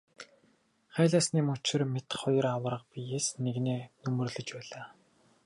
Хайлаасны мөчир мэт хоёр аварга биес нэгнээ нөмөрлөж байлаа.